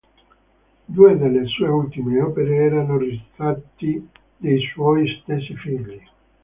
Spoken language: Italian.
Due delle sue ultime opere erano ritratti dei suoi stessi figli.